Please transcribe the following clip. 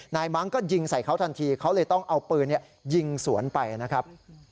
มั้งก็ยิงใส่เขาทันทีเขาเลยต้องเอาปืนยิงสวนไปนะครับ